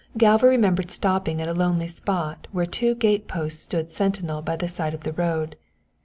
Galva remembered stopping at a lonely spot where two gate posts stood sentinel by the side of the road.